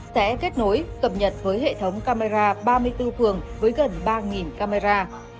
sẽ kết nối cập nhật với hệ thống camera ba mươi bốn phường với gần ba camera